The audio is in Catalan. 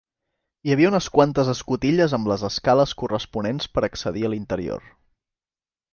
Hi havia unes quantes escotilles amb les escales corresponents per a accedir a l'interior.